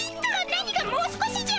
何が「もう少し」じゃ！